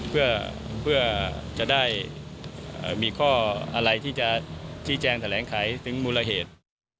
เพื่อจะได้มีข้ออะไรที่จะชี้แจงแถลงไขถึงมูลเหตุ